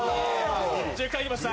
１０回いきました。